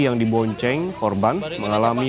yang dibonceng korban mengalami